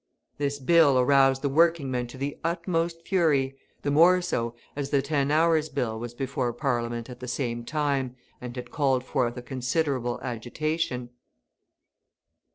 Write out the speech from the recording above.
This bill aroused the working men to the utmost fury, the more so as the Ten Hours' Bill was before Parliament at the same time, and had called forth a considerable agitation.